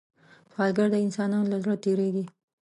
سوالګر د انسانانو له زړه تېرېږي